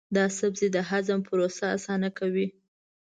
دا سبزی د هضم پروسه اسانه کوي.